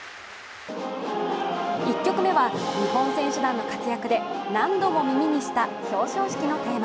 １曲目は、日本選手団の活躍で何度も耳にした表彰式のテーマ。